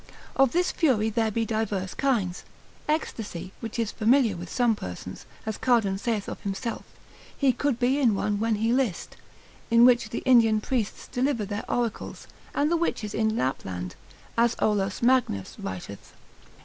Of this fury there be divers kinds; ecstasy, which is familiar with some persons, as Cardan saith of himself, he could be in one when he list; in which the Indian priests deliver their oracles, and the witches in Lapland, as Olaus Magnus writeth, l.